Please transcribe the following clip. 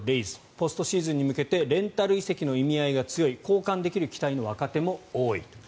ポストシーズンに向けてレンタル移籍の意味合いが強い交換できる期待の若手も多いと。